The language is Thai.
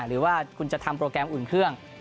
หรือว่าคุณจะทำโปรแกรมอุ่นเครื่อง